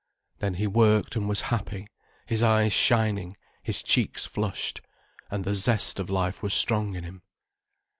Then he worked and was happy, his eyes shining, his cheeks flushed. And the zest of life was strong in him.